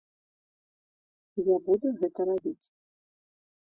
Я буду гэта рабіць.